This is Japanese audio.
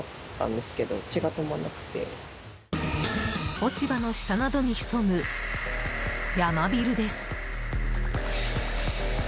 落ち葉の下などに潜むヤマビルです。